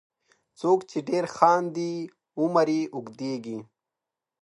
• څوک چې ډېر خاندي، عمر یې اوږدیږي.